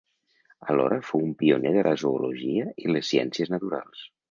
Alhora fou un pioner de la zoologia i les ciències naturals.